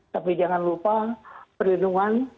tapi jangan lupa perlindungan